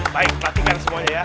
baik perhatikan semuanya ya